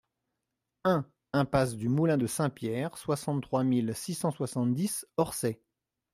un impasse du Moulin de Saint-Pierre, soixante-trois mille six cent soixante-dix Orcet